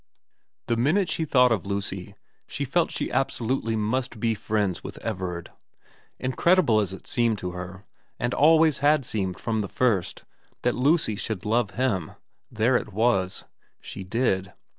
The minute she thought of Lucy she felt she absolutely must be friends with Everard. Incredible as it seemed to her, and always had seemed from the first, that Lucy should love him, there it was, she did.